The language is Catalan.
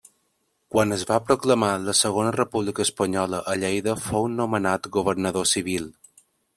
Quan es va proclamar la Segona República Espanyola a Lleida fou nomenat governador civil.